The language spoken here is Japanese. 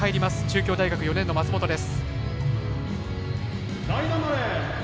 中京大学４年の松本です。